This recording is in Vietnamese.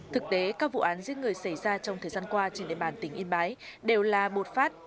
thực tế các vụ án giết người xảy ra trong thời gian qua trên địa bàn tỉnh yên bái đều là bột phát